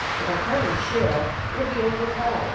If I call you Shirra you 'll be over proud.